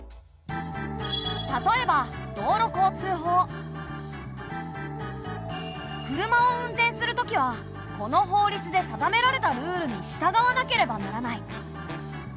例えば車を運転するときはこの法律で定められたルールにしたがわなければならない。